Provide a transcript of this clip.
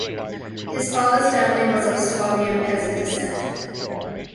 His father's family was of Swabian peasant descent.